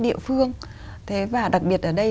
địa phương thế và đặc biệt ở đây